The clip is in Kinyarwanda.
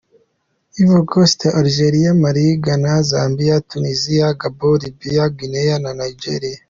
Ivory Coast, Algeria, Mali, Ghana, Zambia, Tunisia, Gabon, Libya, Guinea na Nigeria.